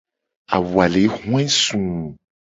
Awu a le hoe suu.